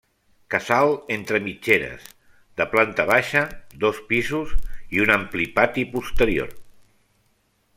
Casal entre mitgeres, de planta baixa, dos pisos i un ampli pati posterior.